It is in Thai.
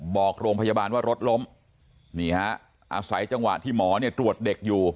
บอกโรงพยาบาลว่ารถล้มนี่ฮะอาศัยจังหวะที่หมอเนี่ยตรวจเด็กอยู่